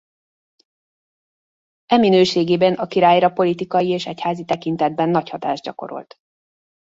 E minőségében a királyra politikai és egyházi tekintetben nagy hatást gyakorolt.